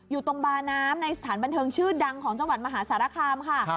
อยู่ตรงบาน้ำในสถานบันเทิงชื่อดังของจังหวัดมหาสารคามค่ะ